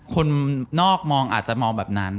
คนนอกมองอาจจะมองแบบนั้น